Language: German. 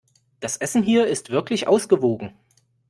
Das Essen hier ist wirklich ausgewogen.